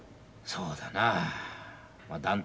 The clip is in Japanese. そうだなあ